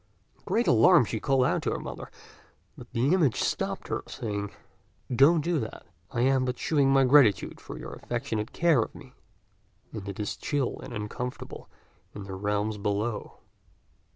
In great alarm she called out to her mother, but the image stopped her, saying, "Don't do that! I am but shewing my gratitude for your affectionate care of me, and it is chill and uncomfortable in the realms below.